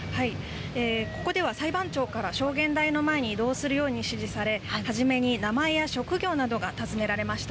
ここでは裁判長から証言台の前に移動するよう指示され初めに名前や職業などが尋ねられました。